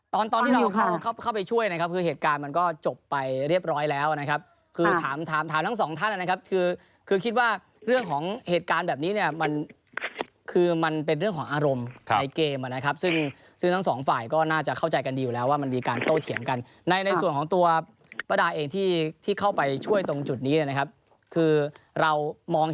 ตอนที่เราเข้าไปช่วยนะครับคือเหตุการณ์มันก็จบไปเรียบร้อยแล้วนะครับคือถามถามทั้งสองท่านนะครับคือคือคิดว่าเรื่องของเหตุการณ์แบบนี้เนี่ยมันคือมันเป็นเรื่องของอารมณ์ในเกมนะครับซึ่งซึ่งทั้งสองฝ่ายก็น่าจะเข้าใจกันดีอยู่แล้วว่ามันมีการโต้เถียงกันในในส่วนของตัวป้าดาเองที่ที่เข้าไปช่วยตรงจุดนี้นะครับคือเรามอง